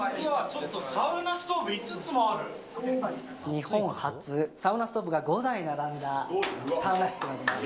ちょっと、サウナストーブ、日本初、サウナストーブが５台並んだサウナ室となります。